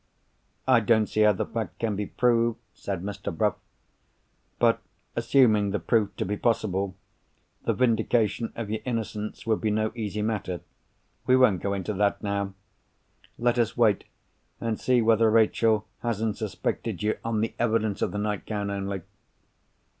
"I don't see how the fact can be proved," said Mr. Bruff. "But assuming the proof to be possible, the vindication of your innocence would be no easy matter. We won't go into that, now. Let us wait and see whether Rachel hasn't suspected you on the evidence of the nightgown only."